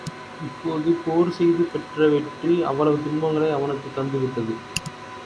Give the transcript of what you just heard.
இப்போது போர் செய்து பெற்ற வெற்றி, அவ்வளவு துன்பங்களை அவனுக்குத் தந்துவிட்டது.